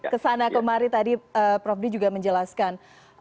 kesana kemari tadi prof dwi juga menjelaskan